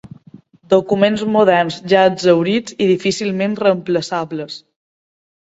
Documents moderns ja exhaurits i difícilment reemplaçables.